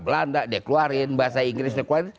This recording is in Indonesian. tanda dia keluarin bahasa inggris dia keluarin